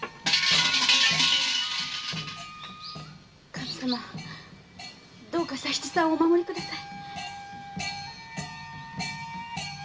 神様どうか佐七さんをお守りください。